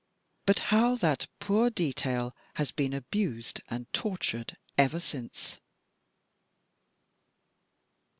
But how that poor detail has been abused and tortured ever since!